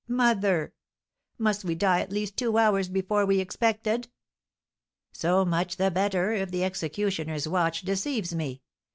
Mother! Must we die at least two hours before we expected?" "So much the better if the executioner's watch deceives me!